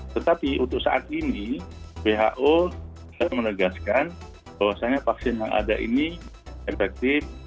tetapi untuk saat ini who menegaskan bahwasannya vaksin yang ada ini efektif